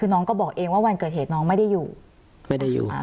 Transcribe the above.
คือน้องก็บอกเองว่าวันเกิดเหตุน้องไม่ได้อยู่ไม่ได้อยู่อ่า